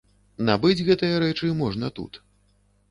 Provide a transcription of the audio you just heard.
Набыць гэтыя рэчы можна тут.